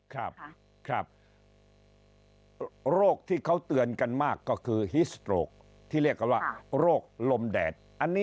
ครับครับโรคที่เขาเตือนกันมากก็คือฮิสโตรกที่เรียกกันว่าโรคลมแดด